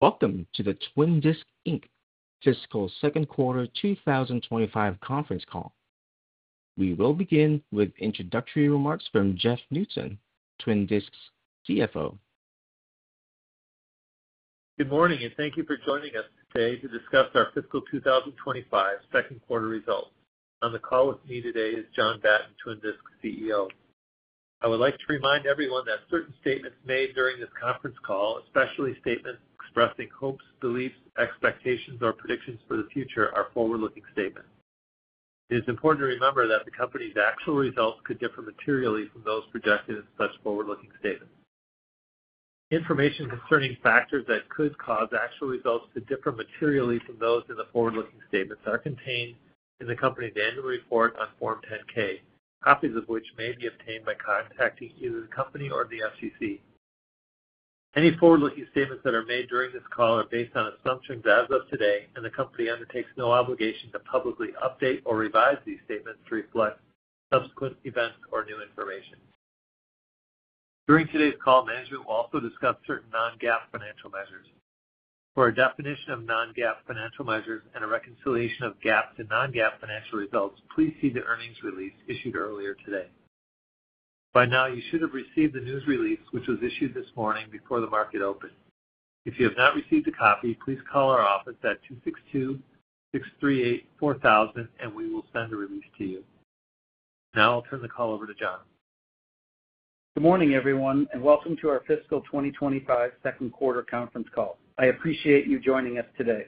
Welcome to the Twin Disc Inc fiscal second quarter 2025 conference call. We will begin with introductory remarks from Jeff Knutson, Twin Disc's CFO. Good morning, and thank you for joining us today to discuss our Fiscal 2025 Second Quarter Results. On the call with me today is John Batten, Twin Disc CEO. I would like to remind everyone that certain statements made during this conference call, especially statements expressing hopes, beliefs, expectations, or predictions for the future, are forward-looking statements. It is important to remember that the company's actual results could differ materially from those projected in such forward-looking statements. Information concerning factors that could cause actual results to differ materially from those in the forward-looking statements are contained in the company's annual report on Form 10-K, copies of which may be obtained by contacting either the company or the SEC. Any forward-looking statements that are made during this call are based on assumptions as of today, and the company undertakes no obligation to publicly update or revise these statements to reflect subsequent events or new information. During today's call, management will also discuss certain non-GAAP financial measures. For a definition of non-GAAP financial measures and a reconciliation of GAAP to non-GAAP financial results, please see the earnings release issued earlier today. By now, you should have received the news release, which was issued this morning before the market opened. If you have not received a copy, please call our office at 262-638-4000, and we will send a release to you. Now I'll turn the call over to John. Good morning, everyone, and welcome to our Fiscal 2025 Second Quarter Conference Call. I appreciate you joining us today.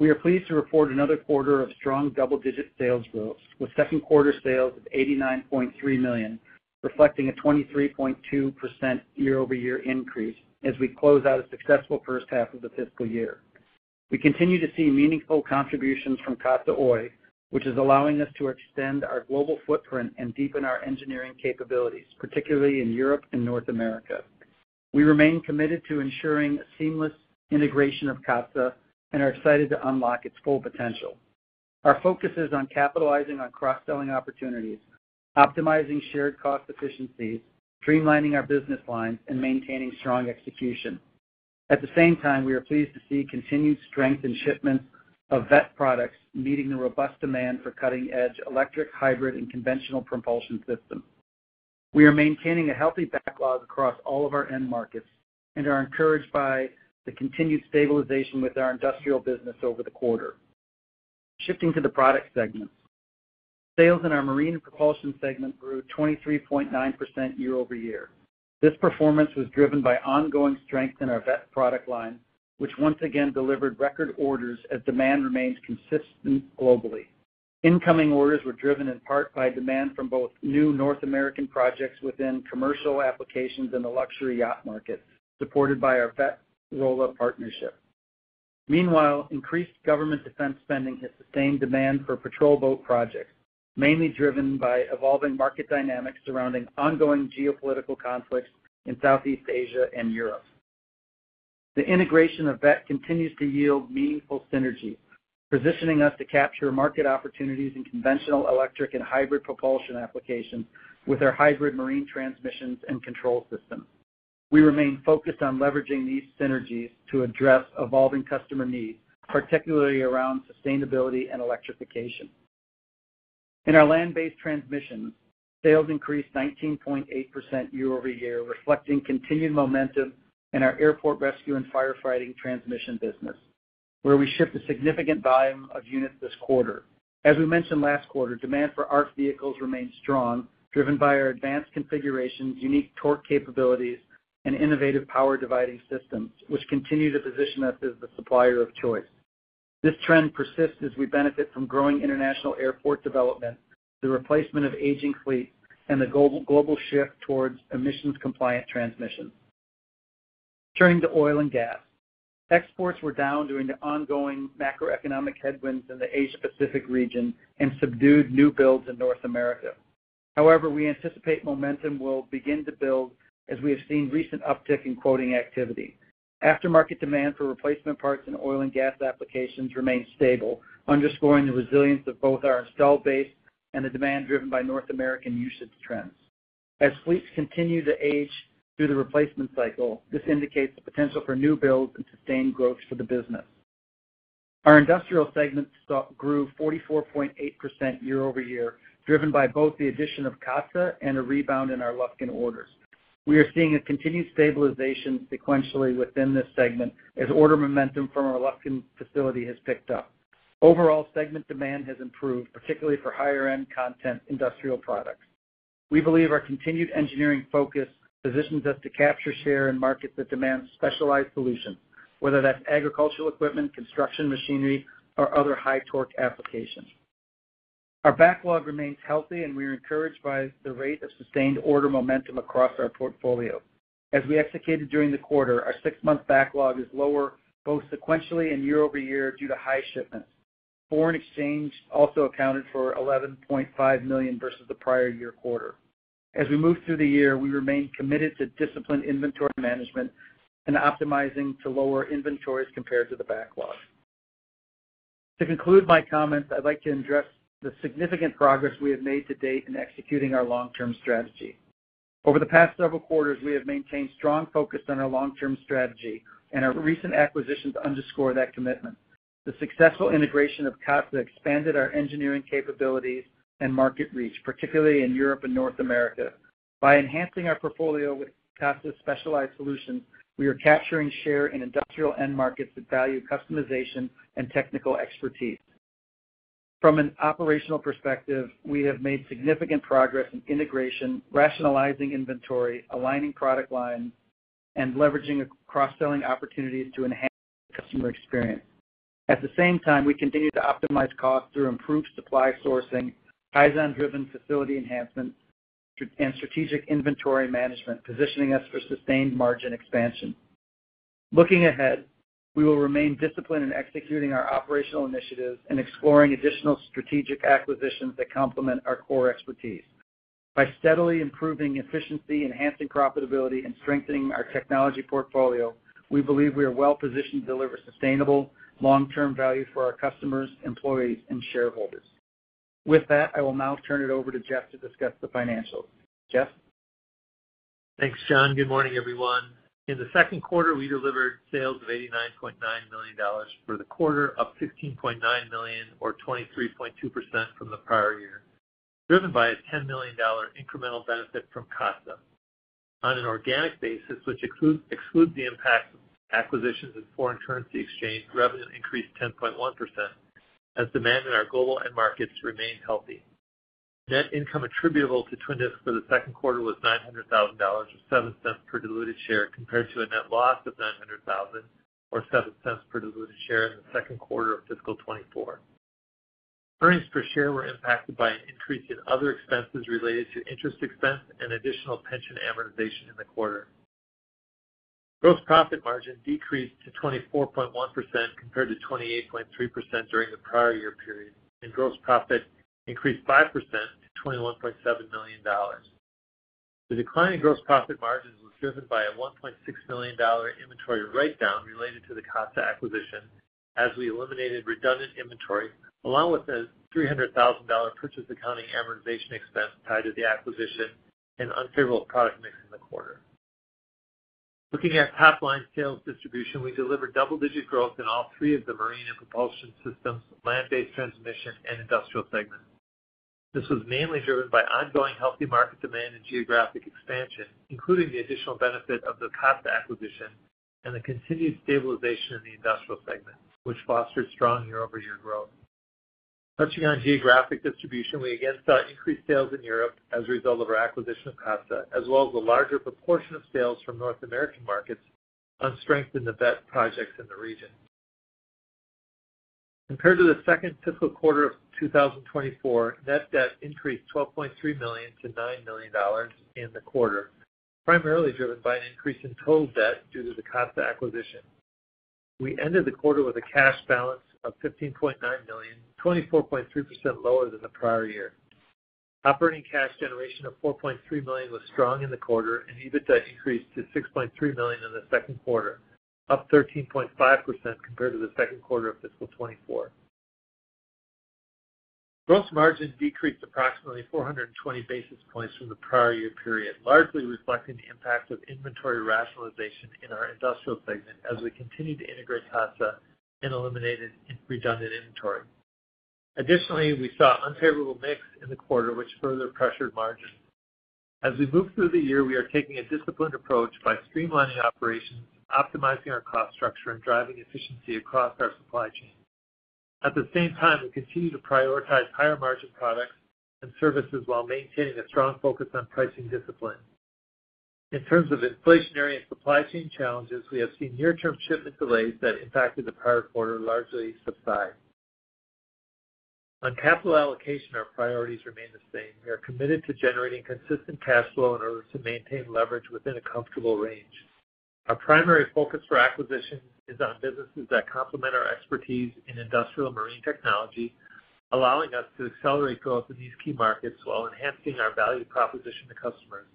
We are pleased to report another quarter of strong double-digit sales growth, with second quarter sales of $89.3 million, reflecting a 23.2% year-over-year increase as we close out a successful first half of the fiscal year. We continue to see meaningful contributions from Katsa Oy, which is allowing us to extend our global footprint and deepen our engineering capabilities, particularly in Europe and North America. We remain committed to ensuring seamless integration of Katsa and are excited to unlock its full potential. Our focus is on capitalizing on cross-selling opportunities, optimizing shared cost efficiencies, streamlining our business lines, and maintaining strong execution. At the same time, we are pleased to see continued strength in shipments of Veth products, meeting the robust demand for cutting-edge electric, hybrid, and conventional propulsion systems. We are maintaining a healthy backlog across all of our end markets and are encouraged by the continued stabilization with our industrial business over the quarter. Shifting to the product segments, sales in our marine propulsion segment grew 23.9% year-over-year. This performance was driven by ongoing strength in our Veth product line, which once again delivered record orders as demand remained consistent globally. Incoming orders were driven in part by demand from both new North American projects within commercial applications and the luxury yacht market, supported by our Veth-Rolla partnership. Meanwhile, increased government defense spending has sustained demand for patrol boat projects, mainly driven by evolving market dynamics surrounding ongoing geopolitical conflicts in Southeast Asia and Europe. The integration of Veth continues to yield meaningful synergies, positioning us to capture market opportunities in conventional electric and hybrid propulsion applications with our hybrid marine transmissions and control systems. We remain focused on leveraging these synergies to address evolving customer needs, particularly around sustainability and electrification. In our land-based transmissions, sales increased 19.8% year-over-year, reflecting continued momentum in our airport rescue and firefighting transmission business, where we shipped a significant volume of units this quarter. As we mentioned last quarter, demand for ARFF vehicles remained strong, driven by our advanced configurations, unique torque capabilities, and innovative power dividing systems, which continue to position us as the supplier of choice. This trend persists as we benefit from growing international airport development, the replacement of aging fleets, and the global shift towards emissions-compliant transmissions. Turning to oil and gas, exports were down during the ongoing macroeconomic headwinds in the Asia-Pacific region and subdued new builds in North America. However, we anticipate momentum will begin to build as we have seen recent uptick in quoting activity. Aftermarket demand for replacement parts in oil and gas applications remains stable, underscoring the resilience of both our installed base and the demand driven by North American usage trends. As fleets continue to age through the replacement cycle, this indicates the potential for new builds and sustained growth for the business. Our industrial segment grew 44.8% year-over-year, driven by both the addition of Katsa and a rebound in our Lufkin orders. We are seeing a continued stabilization sequentially within this segment as order momentum from our Lufkin facility has picked up. Overall, segment demand has improved, particularly for higher-end content industrial products. We believe our continued engineering focus positions us to capture share in markets that demand specialized solutions, whether that's agricultural equipment, construction machinery, or other high-torque applications. Our backlog remains healthy, and we are encouraged by the rate of sustained order momentum across our portfolio. As we executed during the quarter, our six-month backlog is lower both sequentially and year-over-year due to high shipments. Foreign exchange also accounted for $11.5 million versus the prior year quarter. As we move through the year, we remain committed to disciplined inventory management and optimizing to lower inventories compared to the backlog. To conclude my comments, I'd like to address the significant progress we have made to date in executing our long-term strategy. Over the past several quarters, we have maintained strong focus on our long-term strategy, and our recent acquisitions underscore that commitment. The successful integration of Katsa expanded our engineering capabilities and market reach, particularly in Europe and North America. By enhancing our portfolio with Katsa's specialized solutions, we are capturing share in industrial end markets that value customization and technical expertise. From an operational perspective, we have made significant progress in integration, rationalizing inventory, aligning product lines, and leveraging cross-selling opportunities to enhance customer experience. At the same time, we continue to optimize costs through improved supply sourcing, Kaizen-driven facility enhancements, and strategic inventory management, positioning us for sustained margin expansion. Looking ahead, we will remain disciplined in executing our operational initiatives and exploring additional strategic acquisitions that complement our core expertise. By steadily improving efficiency, enhancing profitability, and strengthening our technology portfolio, we believe we are well-positioned to deliver sustainable, long-term value for our customers, employees, and shareholders. With that, I will now turn it over to Jeff to discuss the financials. Jeff. Thanks, John. Good morning, everyone. In the second quarter, we delivered sales of $89.9 million for the quarter, up $15.9 million, or 23.2% from the prior year, driven by a $10 million incremental benefit from Katsa. On an organic basis, which excludes the impacts of acquisitions and foreign currency exchange, revenue increased 10.1% as demand in our global end markets remained healthy. Net income attributable to Twin Disc for the second quarter was $900,000 or $0.07 per diluted share, compared to a net loss of $900,000 or $0.07 per diluted share in the second quarter of fiscal 2024. Earnings per share were impacted by an increase in other expenses related to interest expense and additional pension amortization in the quarter. Gross profit margin decreased to 24.1% compared to 28.3% during the prior year period, and gross profit increased 5% to $21.7 million. The decline in gross profit margins was driven by a $1.6 million inventory write-down related to the Katsa acquisition, as we eliminated redundant inventory, along with a $300,000 purchase accounting amortization expense tied to the acquisition and unfavorable product mix in the quarter. Looking at top-line sales distribution, we delivered double-digit growth in all three of the marine and propulsion systems, land-based transmission, and industrial segments. This was mainly driven by ongoing healthy market demand and geographic expansion, including the additional benefit of the Katsa acquisition and the continued stabilization in the industrial segment, which fostered strong year-over-year growth. Touching on geographic distribution, we again saw increased sales in Europe as a result of our acquisition of Katsa, as well as a larger proportion of sales from North American markets on strength in the Veth projects in the region. Compared to the second fiscal quarter of 2024, net debt increased $12.3 million-$9 million in the quarter, primarily driven by an increase in total debt due to the Katsa acquisition. We ended the quarter with a cash balance of $15.9 million, 24.3% lower than the prior year. Operating cash generation of $4.3 million was strong in the quarter, and EBITDA increased to $6.3 million in the second quarter, up 13.5% compared to the second quarter of fiscal 2024. Gross margin decreased approximately 420 basis points from the prior year period, largely reflecting the impact of inventory rationalization in our industrial segment as we continued to integrate Katsa and eliminated redundant inventory. Additionally, we saw unfavorable mix in the quarter, which further pressured margins. As we move through the year, we are taking a disciplined approach by streamlining operations, optimizing our cost structure, and driving efficiency across our supply chain. At the same time, we continue to prioritize higher-margin products and services while maintaining a strong focus on pricing discipline. In terms of inflationary and supply chain challenges, we have seen near-term shipment delays that impacted the prior quarter largely subside. On capital allocation, our priorities remain the same. We are committed to generating consistent cash flow in order to maintain leverage within a comfortable range. Our primary focus for acquisition is on businesses that complement our expertise in industrial marine technology, allowing us to accelerate growth in these key markets while enhancing our value proposition to customers.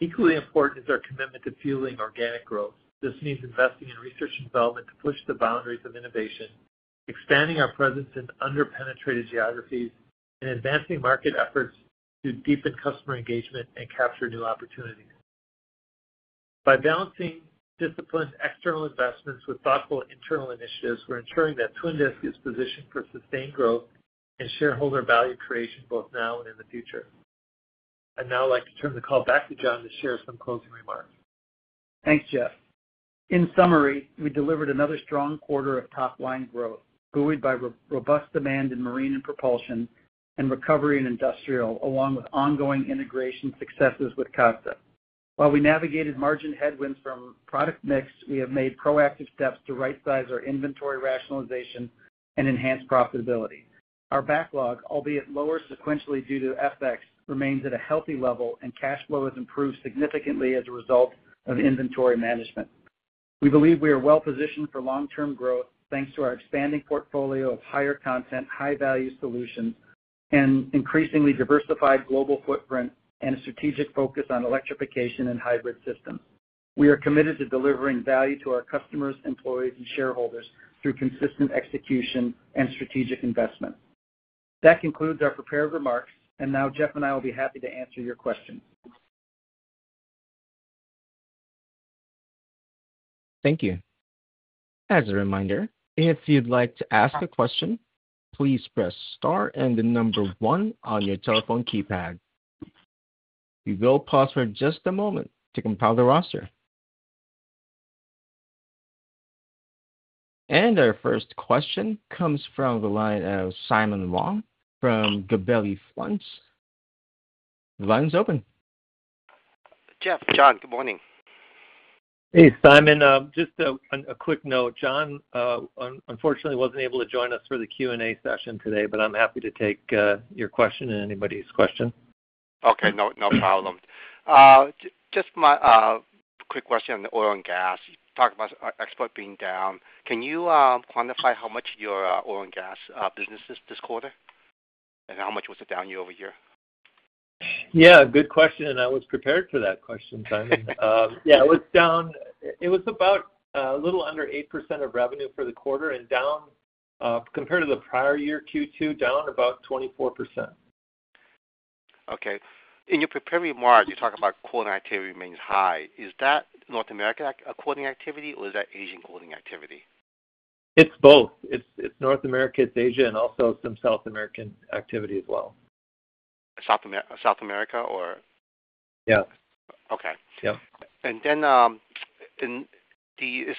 Equally important is our commitment to fueling organic growth. This means investing in research and development to push the boundaries of innovation, expanding our presence in under-penetrated geographies, and advancing market efforts to deepen customer engagement and capture new opportunities. By balancing disciplined external investments with thoughtful internal initiatives, we're ensuring that Twin Disc is positioned for sustained growth and shareholder value creation both now and in the future. I'd now like to turn the call back to John to share some closing remarks. Thanks, Jeff. In summary, we delivered another strong quarter of top-line growth, buoyed by robust demand in marine and propulsion and recovery in industrial, along with ongoing integration successes with Katsa. While we navigated margin headwinds from product mix, we have made proactive steps to right-size our inventory rationalization and enhance profitability. Our backlog, albeit lower sequentially due to FX, remains at a healthy level, and cash flow has improved significantly as a result of inventory management. We believe we are well-positioned for long-term growth thanks to our expanding portfolio of higher-content, high-value solutions and increasingly diversified global footprint and a strategic focus on electrification and hybrid systems. We are committed to delivering value to our customers, employees, and shareholders through consistent execution and strategic investment. That concludes our prepared remarks, and now Jeff and I will be happy to answer your questions. Thank you. As a reminder, if you'd like to ask a question, please press Star and the number one on your telephone keypad. We will pause for just a moment to compile the roster. Our first question comes from the line of Simon Wong from Gabelli Funds. The line is open. Jeff, John, good morning. Hey, Simon. Just a quick note. John, unfortunately, wasn't able to join us for the Q&A session today, but I'm happy to take your question and anybody's question. Okay, no problem. Just my quick question on the oil and gas. You talked about export being down. Can you quantify how much your oil and gas business is this quarter? And how much was it down year over year? Yeah, good question, and I was prepared for that question, Simon. Yeah, it was down. It was about a little under 8% of revenue for the quarter and down compared to the prior year, Q2, down about 24%. Okay. In your prepared remarks, you're talking about quoting activity remains high. Is that North America quoting activity, or is that Asian quoting activity? It's both. It's North America, it's Asia, and also some South American activity as well. South America, or? Yeah. Okay. Yeah. It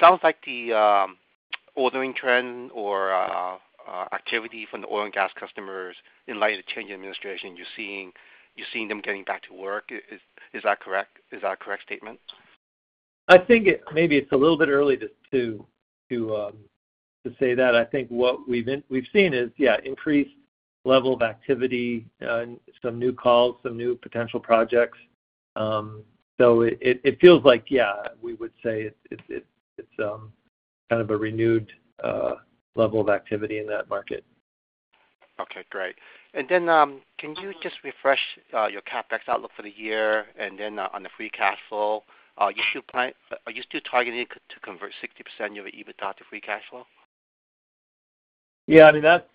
sounds like the ordering trend or activity from the oil and gas customers in light of the change in administration, you're seeing them getting back to work. Is that a correct statement? I think maybe it's a little bit early to say that. I think what we've seen is, yeah, increased level of activity, some new calls, some new potential projects. It feels like, yeah, we would say it's kind of a renewed level of activity in that market. Okay, great. Can you just refresh your CapEx outlook for the year? On the free cash flow, are you still targeting to convert 60% of your EBITDA to free cash flow? Yeah, I mean, that's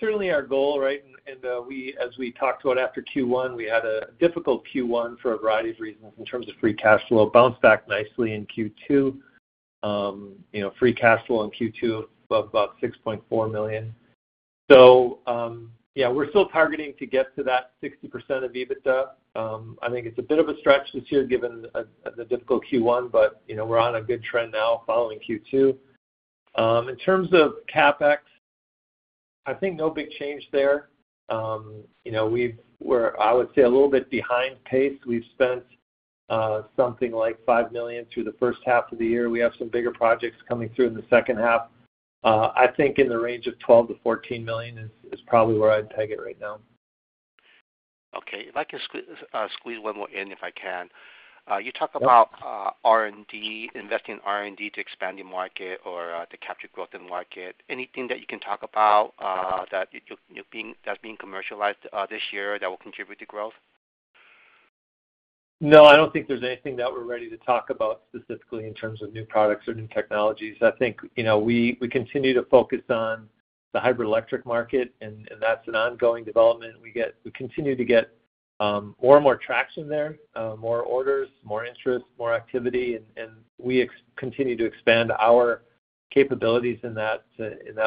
certainly our goal, right? As we talked about after Q1, we had a difficult Q1 for a variety of reasons in terms of free cash flow. Bounced back nicely in Q2. Free cash flow in Q2 of about $6.4 million. Yeah, we're still targeting to get to that 60% of EBITDA. I think it's a bit of a stretch this year given the difficult Q1, but we're on a good trend now following Q2. In terms of CapEx, I think no big change there. We're, I would say, a little bit behind pace. We've spent something like $5 million through the first half of the year. We have some bigger projects coming through in the second half. I think in the range of $12 million-$14 million is probably where I'd peg it right now. Okay. If I can squeeze one more in, if I can. You talk about R&D, investing in R&D to expand your market or to capture growth in the market. Anything that you can talk about that's being commercialized this year that will contribute to growth? No, I don't think there's anything that we're ready to talk about specifically in terms of new products or new technologies. I think we continue to focus on the hybrid electric market, and that's an ongoing development. We continue to get more and more traction there, more orders, more interest, more activity, and we continue to expand our capabilities in that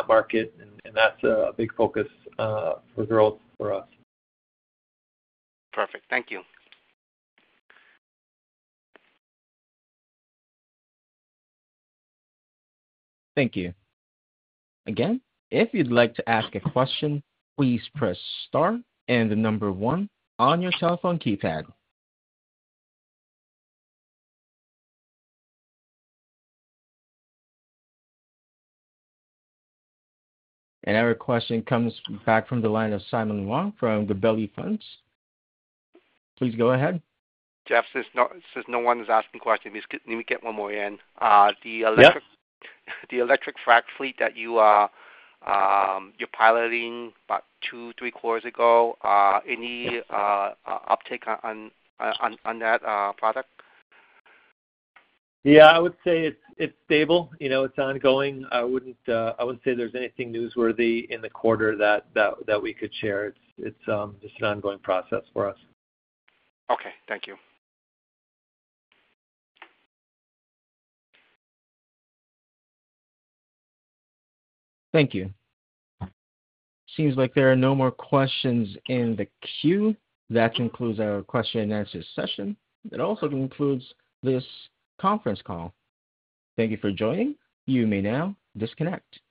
market, and that's a big focus for growth for us. Perfect. Thank you. Thank you. Again, if you'd like to ask a question, please press star and the number one on your telephone keypad. Our question comes back from the line of Simon Wong from Gabelli Funds. Please go ahead. Jeff, since no one's asking questions, let me get one more in. The electric frac fleet that you're piloting about two, three quarters ago, any uptake on that product? Yeah, I would say it's stable. It's ongoing. I wouldn't say there's anything newsworthy in the quarter that we could share. It's just an ongoing process for us. Okay. Thank you. Thank you. Seems like there are no more questions in the queue. That concludes our question and answer session. It also concludes this conference call. Thank you for joining. You may now disconnect.